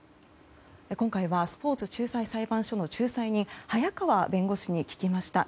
今回はスポーツ仲裁裁判所の仲裁人早川弁護士に聞きました。